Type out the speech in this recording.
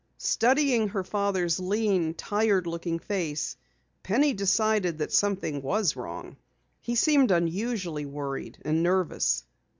Studying her father's lean, tired looking face, Penny decided that something was wrong. He seemed unusually worried and nervous.